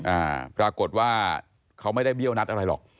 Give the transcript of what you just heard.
อ่าปรากฏว่าเขาไม่ได้เบี้ยวนัดอะไรหรอก